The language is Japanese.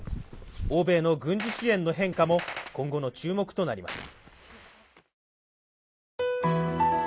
欧米の軍事支援の変化も今後の注目となります。